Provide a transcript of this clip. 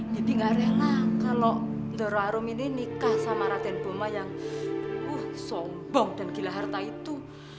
nidhi gak rela kalau dorong arum ini nikah sama raden boma yang sombong dan gila harta itu